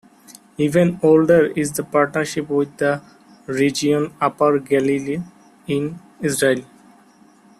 Even older is the partnership with the region Upper Galilee in Israel.